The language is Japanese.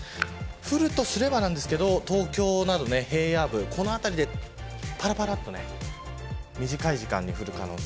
降るとすればですが、東京など平野部、この辺りでぱらぱらと短い時間に降る可能性。